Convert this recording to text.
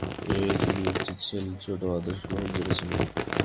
তিনি একটি ছোট আদেশ গ্রহণ করেছিলেন।